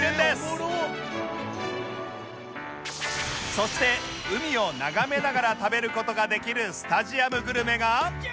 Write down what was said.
そして海を眺めながら食べる事ができるスタジアムグルメが